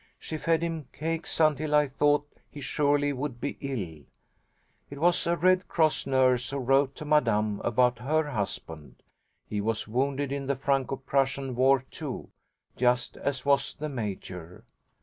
She fed him cakes until I thought he surely would be ill. It was a Red Cross nurse who wrote to Madame about her husband. He was wounded in the Franco Prussian war, too, just as was the Major.